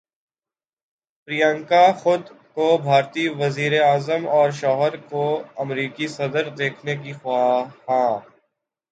پریانکا خود کو بھارتی وزیر اعظم اور شوہر کو امریکی صدر دیکھنے کی خواہاں